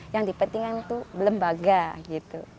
yang di pentingkan tuh lembaga gitu